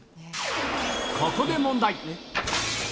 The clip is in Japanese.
ここで問題。